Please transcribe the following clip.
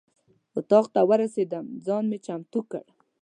اتاق ته راورسېدم ځان مې چمتو کړ.